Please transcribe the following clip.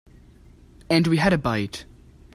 And we had a bite.